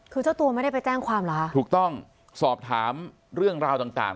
คือเจ้าตัวไม่ได้ไปแจ้งความเหรอคะถูกต้องสอบถามเรื่องราวต่างต่าง